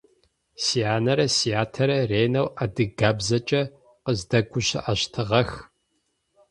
Сянэрэ сятэрэ ренэу адыгабзэкӏэ къыздэгущыӏэщтыгъэх.